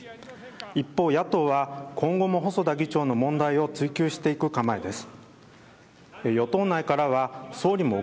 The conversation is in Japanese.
一方、野党は今後も細田議長の問題を追及していく構えです。